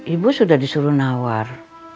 ibu sudah disuruh nawar